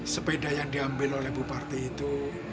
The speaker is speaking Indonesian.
sepeda yang diambil oleh bu parti itu